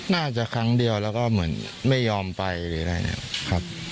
น่าจะครั้งเดียวแล้วก็เหมือนไม่ยอมไปหรืออะไรเนี่ยครับ